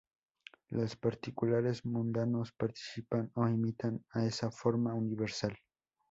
Los particulares mundanos "participan" o "imitan" a esa Forma universal.